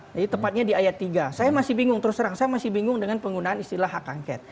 jadi tepatnya di ayat tiga saya masih bingung terus terang saya masih bingung dengan penggunaan istilah hak angket